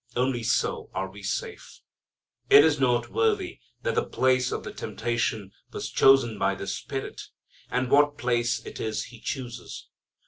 Only so are we safe. It is noteworthy that the place of the temptation was chosen by the Spirit, and what place it is He chooses.